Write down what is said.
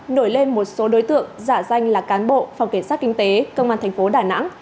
nổi lên một số đối tượng giả danh là cán bộ phòng kiểm soát kinh tế công an thành phố đà nẵng